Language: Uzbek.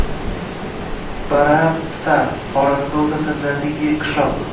Barab-Sar – Xorazmda o‘rta asrdagi yirik qishloq.